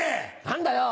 何だよ！